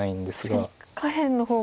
確かに下辺の方も。